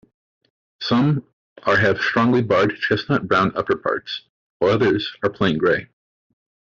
Some are have strongly-barred chestnut-brown upperparts, while others are plain grey.